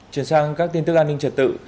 trở sang các tin tức an ninh trật tự